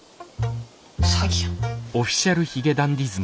詐欺やん。